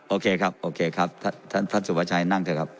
โอเคครับโอเคครับท่านท่านสุภาชัยนั่งเถอะครับ